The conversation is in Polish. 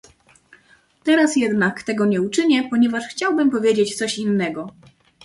Teraz jednak tego nie uczynię, ponieważ chciałbym powiedzieć coś innego